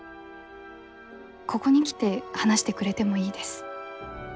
ここに来て話してくれてもいいです。